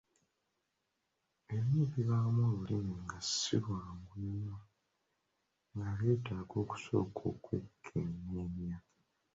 Ebimu bibaamu olulimi nga si lwangu nnyo nga lwetaaga okusooka okwekenneenya.